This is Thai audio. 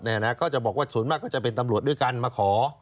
เขาจะบอกว่าส่วนมากก็จะเป็นตำรวจด้วยกันมาขอ